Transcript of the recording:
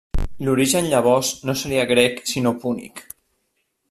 L'origen llavors no seria grec sinó púnic.